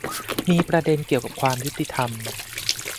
มีประเด็นเกี่ยวกับความยุติธรรม